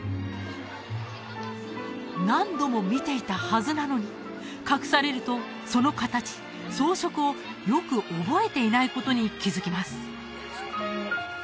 何度も見ていたはずなのに隠されるとその形装飾をよく覚えていないことに気づきます